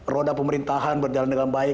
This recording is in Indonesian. roda pemerintahan berjalan dengan baik